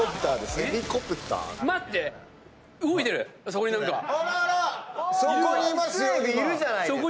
伊勢海老いるじゃないですか。